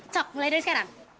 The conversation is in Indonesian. cok mulai dari sekarang